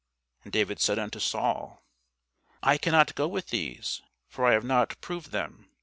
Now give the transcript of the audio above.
And David said unto Saul, I cannot go with these; for I have not proved them.